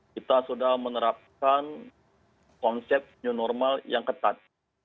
kita sudah menerapkan konsep new normal yang ketat